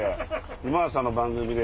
今田さんの番組で。